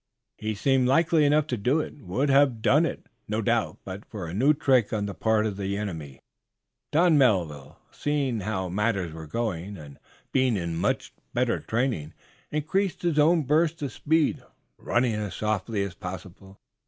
He seemed likely enough to do it would have done it, no doubt, but for a new trick on the part of the enemy. Don Melville, seeing how matters were going, and being in much better training, increased his own burst of speed, running as softly as possible.